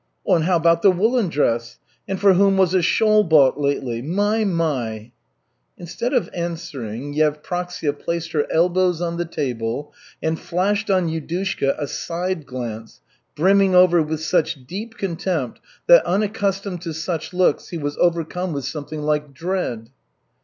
"And how about the woolen dress? And for whom was a shawl bought lately? My, my!" Instead of answering, Yevpraksia placed her elbows on the table and flashed on Yudushka a side glance brimming over with such deep contempt that, unaccustomed to such looks, he was overcome with something like dread.